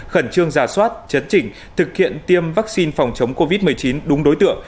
khẩn trương giả soát chấn chỉnh thực hiện tiêm vaccine phòng chống covid một mươi chín đúng đối tượng